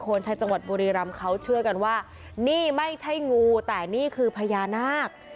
คนใช้จังหวัดบุรีรำเขาเชื่อกันว่านี่ไม่ใช่งูแต่นี่คือพญานาค